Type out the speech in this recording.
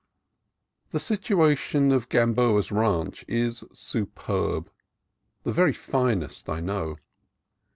The situation of Gamboa's Ranch is superb, the very finest I know.